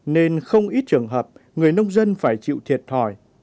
nên không ít trường hợp người nông dân phải chịu thiệt thòi